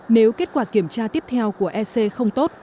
nếu kết quả kiểm tra tiếp theo của ec không tốt